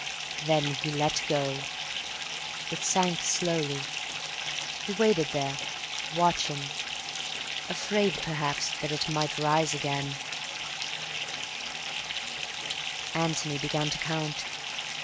Then he let go. It sank slowly. He waited there, watching; afraid, perhaps, that it might rise again. Antony began to count....